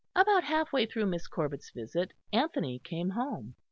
About half way through Miss Corbet's visit, Anthony came home.